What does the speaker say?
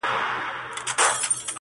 چي دولتمند یې که دربدر یې!.